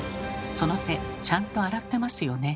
その手ちゃんと洗ってますよね？